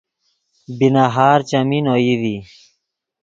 بی نہار چیمین اوئی ڤی